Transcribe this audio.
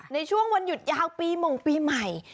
ในช่วงวันหยุดยาวปีหม่งปีใหม่